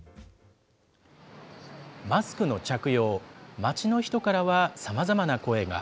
マスクの着用、街の人からはさまざまな声が。